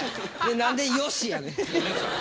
・何で「よし」やねん！